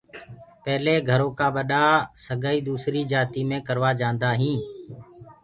پيلي گھرو ڪآ ٻڏآ سگائي دوسري جآتي مي سگائي ڪروآ جاندآ هينٚ۔